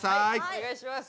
お願いします。